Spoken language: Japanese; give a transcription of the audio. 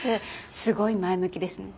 すごい前向きですね。